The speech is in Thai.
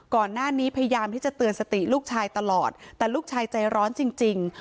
พยายามที่จะเตือนสติลูกชายตลอดแต่ลูกชายใจร้อนจริง